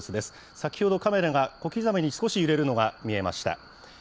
先ほどカメラが、小刻みに少し揺れるのが見えました。